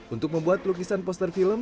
untuk membuat lukisan poster film